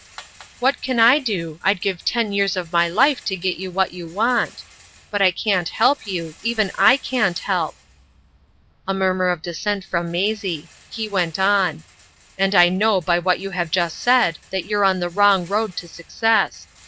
"What can I do? I'd give ten years of my life to get you what you want. But I can't help you; even I can't help." A murmur of dissent from Maisie. He went on—"And I know by what you have just said that you're on the wrong road to success.